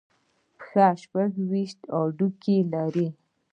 پښه شپږ ویشت هډوکي لري.